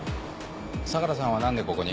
相良さんは何でここに？